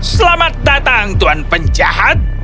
selamat datang tuan penjahat